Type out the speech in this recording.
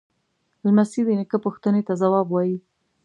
لمسی د نیکه پوښتنې ته ځواب وايي.